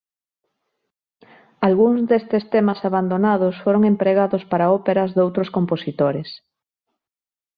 Algúns destes temas abandonados foron empregados para óperas doutros compositores.